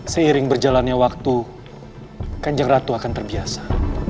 seiring berjalannya waktu kanjeng ratu akan terbiasa